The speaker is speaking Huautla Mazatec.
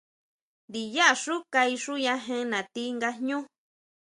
Ndiyá xú kaixuyajen natí nga jñú.